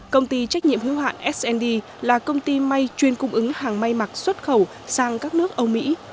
công ty trách nhiệm hữu hạn snd là công ty may chuyên cung ứng hàng may mặc xuất khẩu sang các nước âu mỹ